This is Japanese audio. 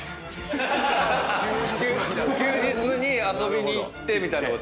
休日に遊びに行ってみたいなこと？